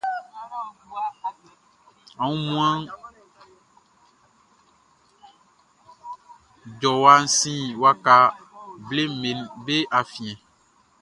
Aunmuan jɔwa sin waka bleʼm be afiɛn.